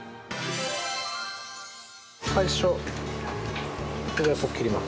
最初これをこう切ります。